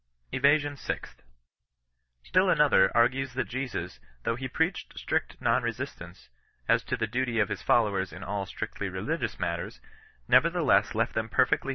EVASION SIXTH. Still another argues that Jesus, though he preached strict non resistance, as to the duty of his followers in all ttrictly religious matters, nevertheless left them perfectly 38 0HRI8TUN NON RESISTANCE.